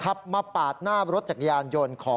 เพราะถูกทำร้ายเหมือนการบาดเจ็บเนื้อตัวมีแผลถลอก